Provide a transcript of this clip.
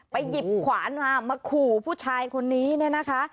ไปหยิบขวานมามาขู่ผู้ชายคนนี้นะคะ